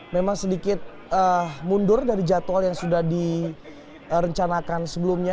memang sedikit mundur dari jadwal yang sudah direncanakan sebelumnya